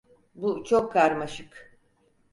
Bu çok karmaşık.